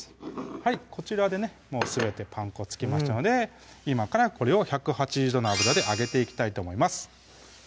こちらでねすべてパン粉付きましたので今からこれを１８０℃の油で揚げていきたいと思います